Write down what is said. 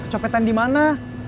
kecopetan di mana